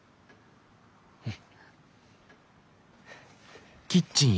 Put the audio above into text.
うん。